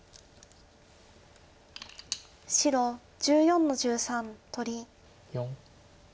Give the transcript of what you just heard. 白１４の十三取り。